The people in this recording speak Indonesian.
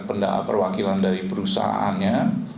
perwakilan dari perusahaannya